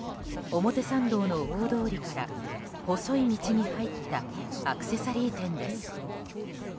表参道の大通りから細い道に入ったアクセサリー店です。